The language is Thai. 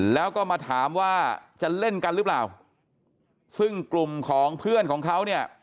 แล้วก็มาถามว่าจะเล่นกันหรือเปล่าซึ่งกลุ่มของเพื่อนของเขาเนี่ย